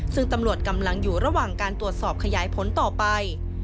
ซึ่งตำรวจกำลังอยู่ระหว่างการตรวจสอบขยายผลต่อไป